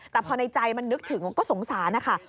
แต่พอในใจมันนึกถึงก็สงสารนะคะ